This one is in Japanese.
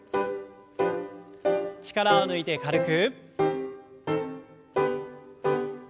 力を抜いて軽く。